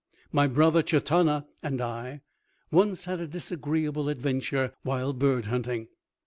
My brother Chatanna and I once had a disagreeable adventure while bird hunting.